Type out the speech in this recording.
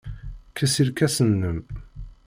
Kkes irkasen-nnem.